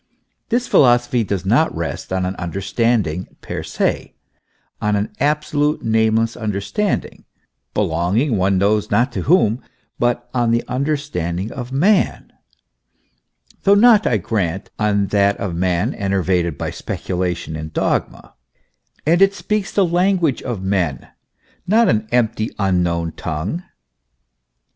This philosophy does not rest on an Understanding per se, on an absolute, nameless understanding, belonging one knows not to whom, but on the understanding of man ; though not, I grant, on that of man enervated by speculation and dogma ; and it speaks the language of men, not an empty, unknown tongue.